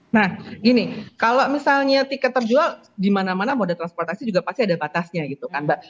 nah gini kalau misalnya tiket terjual di mana mana moda transportasi juga pasti ada batasnya gitu kan mbak